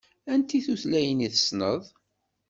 Anti tutlayin i tessneḍ?